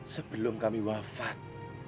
sebelum kami wafat